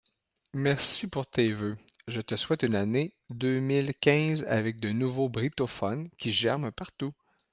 Merci pour tes vœux, je te souhaite une année deux mille quinze avec des nouveaux brittophones qui germent partout.